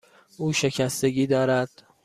او شکستگی دارد.